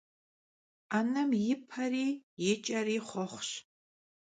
'enem yi peri yi ç'eri xhuexhuş.